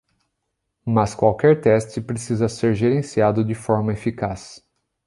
Mas qualquer teste precisa ser gerenciado de forma eficaz.